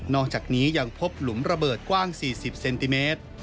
อกจากนี้ยังพบหลุมระเบิดกว้าง๔๐เซนติเมตร